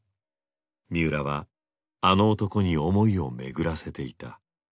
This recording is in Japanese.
三浦はあの男に思いを巡らせていた。